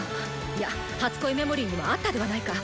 いや「初恋メモリー」にもあったではないか。